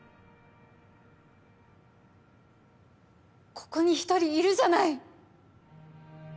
ここに１人いるじゃない。